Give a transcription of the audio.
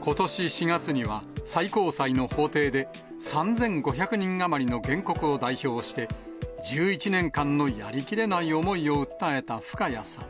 ことし４月には、最高裁の法廷で、３５００人余りの原告を代表して、１１年間のやりきれない思いを訴えた深谷さん。